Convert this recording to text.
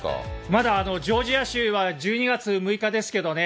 まだジョージア州は１２月６日ですけどね。